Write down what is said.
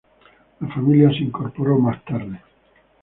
La familia se incorporó más tarde.